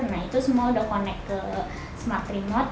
nah itu semua udah connect ke smart remote